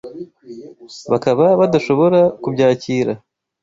bakaba badashobora kubyakira